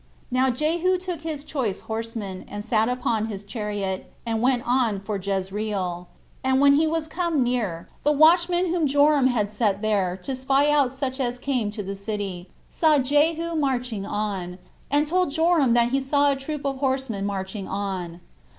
Now Jehu took his choice horsemen, and sat upon his chariot, and went on for Jezreel; and when he was come near, the watchman whom Joram had set there to spy out such as came to the city, saw Jehu marching on, and told Joram that he saw a troop of horsemen marching on.